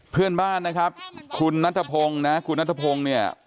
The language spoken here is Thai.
เพื่อนบ้านนะครับคุณนัทพงศ์นะคุณนัทพงศ์เนี่ย